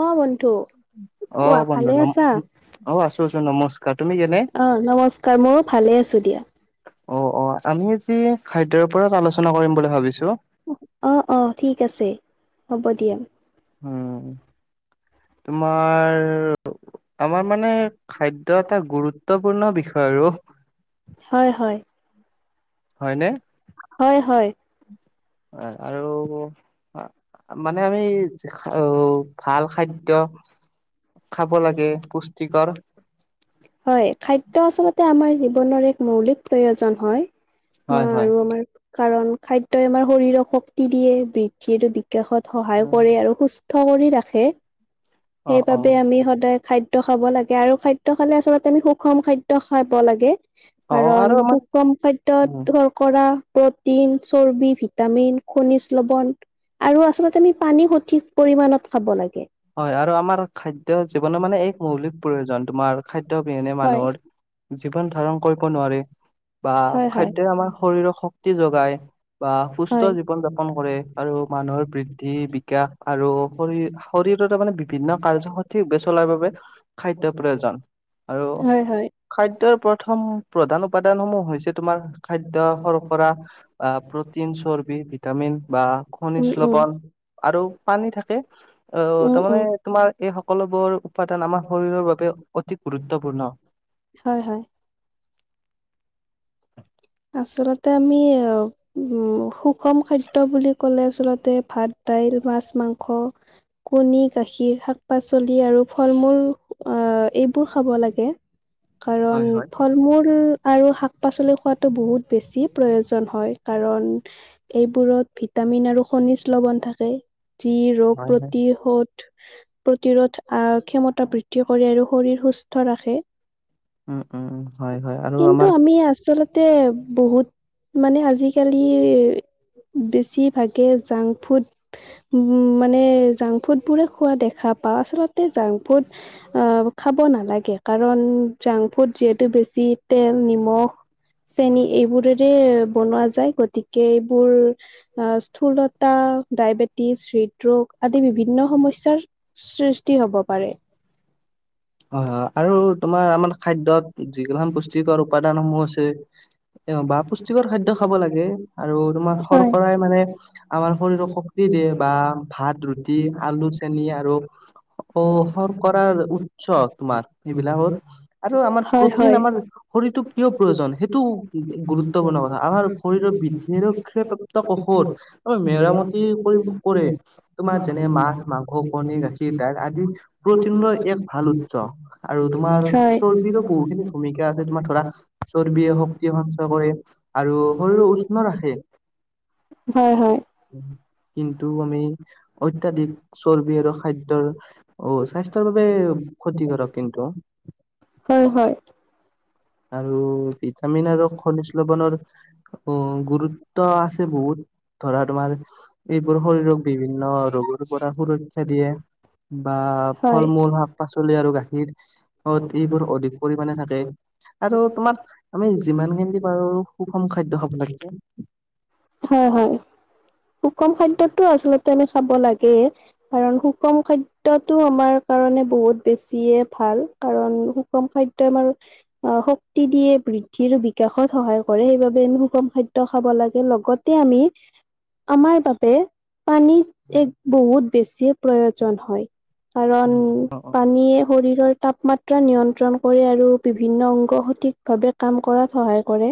অ', মন্টু কোৱা ভালে আছা? অ', নমস্কাৰ মোৰো ভাল আছো দিয়া। অ অ আমি অ অ ঠিক আছে। হ'ব দিয়া। উ তোমাৰ আমাৰ মানে খাদ্য এটা গুৰুত্বপূৰ্ণ বিষয় আৰু। হয় হয়, হয় হয় হয় আৰু মানে আমি উম ভাল খাদ্য হয় খাদ্য আচলতে আমাৰ জীৱনৰ এক মৌলিক প্ৰয়োজন হয় [unintelligible] কাৰণ খাদ্যই আমাৰ শৰীৰক শক্তি দিয়ে, বৃদ্ধিয়েটো বিকাশত সহায় কৰে আৰু সুস্থ কৰি ৰাখে, সেইবাবে আমি সদায় খাদ্য খাদ্য খাব লাগে আৰু খাদ্য খালে আচলতে আমি সুষম খাদ্য খাব লাগে। কাৰণ খুব কম খাদ্যত শৰ্কৰা প্ৰটিন চৰ্বি ভিটামিন খনিজ লৱণ আৰু আচলতে আমি পানী সঠিক পৰিমানত খাব লাগে। হয় আৰু আমাৰ খাদ্য জীৱনৰ মানে এক মৌলিক প্ৰয়োজন তোমাৰ খাদ্য অবিহনে মানুহৰ জীৱন ধাৰণ কৰিব নোৱাৰি বা খাদ্যই আমাৰ শৰীৰক শক্তি যোগায়। বা সুস্থ জীৱন যাপন কৰে আৰু মানুহৰ বৃদ্ধি বিকাশ আৰু শৰীৰ শৰীৰৰ মানে বিভিন্ন কাৰ্য সঠিকভাৱে চলাৰ বাবে খাদ্য প্ৰয়োজন আৰু খাদ্যৰ প্ৰথম প্ৰধান উপাদান সমূহ হৈছে তোমাৰ খাদ্য শৰ্কৰা আহ প্ৰটিন চৰ্বি ভিটামিন বা খনিজ লৱন আৰু পানী থাকে। আহ তাৰমানে তোমাৰ এই সকলোবোৰ উপাদান আমাৰ শৰীৰৰ বাবে অতি গুৰুত্বপূৰ্ণ। [inaudible] হয় হয়। আচলতে আমি উম সুষম খাদ্য বুলি ক'লে আচলতে ভাত দাইল মাছ মাংস কণী, গাখীৰ, শাক-পাচলি আৰু ফল-মূল আহ এইবোৰ খাব লাগে। কাৰণ ফল-মূল আৰু শাক-পাচলি খোৱাত বহুত বেছি প্ৰয়োজন হয় কাৰণ এইবোৰত ভিটামিন আৰু খনিজ লৱণ থাকে যি ৰোগ প্ৰতিশোধ প্ৰতিৰোধ আহ ক্ষমতা বৃদ্ধি কৰে আৰু শৰীৰ সুস্থ ৰাখে। উম উম হয় হয় আৰু আমাৰ বহুত মানে আজিকালি বেছি ভাগে জাংক ফুড মানে জাংক ফুডবোৰে খোৱা দেখা পা পাও আচলতে জাংক ফুড খাব নালাগে কাৰণ জাংক ফুড যিহেতু বেছি তেল নিমখ চেনি এইবোৰেৰে বনোৱা যায় গতিকে এইবোৰ স্থূলতা ডায়বেটিছ, হৃদৰোগ আদি বিভিন্ন সমস্যাৰ সৃষ্টি হব পাৰে। [inaudible] হয় হয় আৰু তোমাৰ আমাৰ খাদ্যত যিগিলাখান পুষ্টিকৰ উপাদানসমূহ আছে অ বা পুষ্টিকৰ খাদ্য খাব লাগে আৰু তোমাৰ শৰ্কৰাই মানে আমাৰ শৰীৰৰ শক্তিত দিয়ে বা ভাত, ৰুটি, আলু, চেনি আৰু অ শৰ্কৰা উৎ উৎস তোমাৰ সেইবিলাকত আৰু আমাৰ প্ৰৰ্টিন আমাৰ শৰীৰতটো কিয় সেইটো গুৰুত্বপূৰ্ণ কথা আমাৰ শৰীৰৰ বৃদ্ধি [unintelligible] মেৰামতি কৰি কৰে তোমাৰ যেনে মাছ-মাংস, কণী, গাখীৰ, দাইল আদি প্ৰটি এক ভাল উৎস আৰু তোমাৰ চৰ্বিৰো বহুখিনি ভূমিকা আছে তোমাৰ ধৰা চৰ্বিয়ে শক্তি সঞ্চয় কৰে আৰু শৰীৰো উষ্ণ ৰাখে। হয় হয়। [unintelligible] [unintelligible] হয় হয়। আৰু ভিটামিন আৰু খনিজ লৱণৰ অঁ গুৰুত্ব আছে বহুত। ধৰা তোমাৰ এইবোৰ শৰীৰক বিভিন্ন ৰোগৰ পৰা সুৰক্ষা দিয়ে। বা ফল-মূল, শাক-পাচলি পাচলি আৰু গাখীৰত এইবোৰ অধিক পৰিমাণে থাকে। আৰু তোমাৰ আমি যিমানখিনি পাৰো সুষম খাদ্য খাব লাগে। হয় হয়। সুকম খাদ্যতটো আচলতে আমি খাব লাগে কাৰণ সুকম খাদ্যটো আমাৰ কাৰণে নে বহুত বেছিয়ে ভাল কাৰণ সুষম খাদ্যই আমাৰ অ শক্তি দিয়ে বৃদ্ধি আৰু বিকাশত সহায় কৰে সেইবাবে আমি সুষম খাদ্য খাব লাগে লগতে আমি। আমাৰ বাবে পানীত এক বহুত বেছি প্ৰয়োজন হয়। কাৰণ, পানীয়ে শৰীৰৰ তাপমাত্ৰা নিয়ন্ত্ৰণ কৰে আৰু বিভি ভিন্ন অংগ সঠিক ভাৱে কাম কৰাত সহায় কৰে।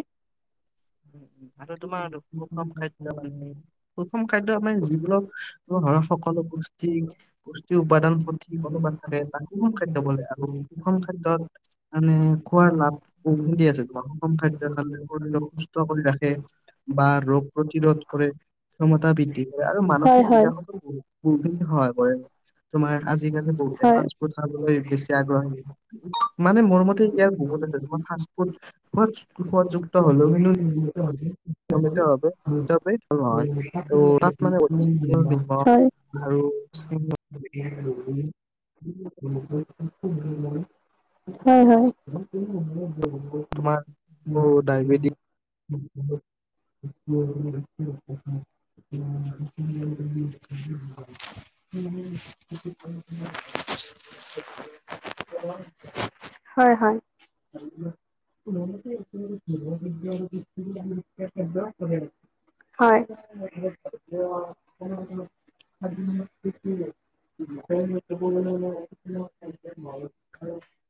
আৰু তোমাৰ সুষম খাদ্য মানে, সুষম খাদ্য মানে যিবিলাক ধৰা সকলো পুষ্টিক, পুষ্টিৰ উাদান সঠিক ভাৱে থাকে, তাক সুষম খাদ্য বোলে। আৰু সুষম খাদ্যত মানে খোৱাৰ লাভ, বহুত বেছি আছে। তোমাৰ সুষম খাদ্যয় খালে শৰীৰ সুস্থ সুস্থ কৰি ৰাখে বা ৰোগ প্ৰতিৰোধ কৰে। ক্ষমতা বৃদ্ধি কৰে আৰু মানসিক বিকাশতো ব বহুতখিনি সহায় কৰে। তোমাৰ আজিকালি বহুতে ফাষ্টফুড খাবলৈ বেছি আগ্ৰহী, মানে মোৰ মতে, ইয়াৰ বহুত আছে তোমাৰ ফাষ্টফুড সোৱাদযুক্ত হলেও কিন্তু নিয়মিতভাবে [unintelligible] নহয় আৰু তাত মানে অতি তেল নিমখ আৰু [unintelligible] হয়, হয়। [inaudible] [inaudible] [inaudible] হয়, হয়। [inaudible] হয়। [inaudible] [inaudible]